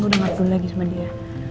gue udah gak peduli lagi sama dia